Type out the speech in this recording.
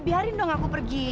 biarin dong aku pergi